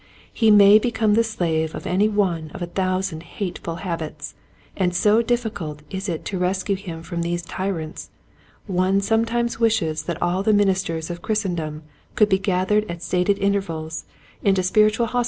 He may become the slave of any one of a thousand hateful habits, and so difficult is it to rescue him from these tyrants, one sometimes wishes that all the ministers of Christendom could be gath ered at stated intervals into spiritual hos 1 6 Qtiiet Hints to Growing Preachers.